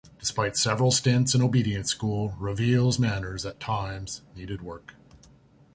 Despite several stints in obedience school, Reveille's manners at times needed work.